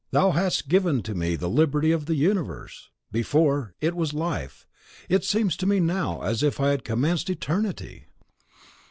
Thou hast given to me the liberty of the universe! Before, it was life; it seems to me now as if I had commenced eternity!